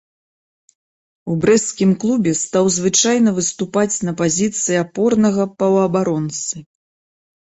У брэсцкім клубе стаў звычайна выступаць на пазіцыі апорнага паўабаронцы.